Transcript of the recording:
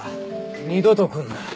二度と来んな。